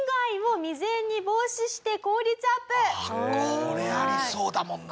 これありそうだもんな。